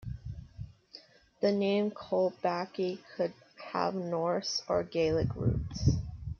The name Coldbackie could have old Norse or Gaelic roots.